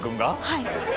はい。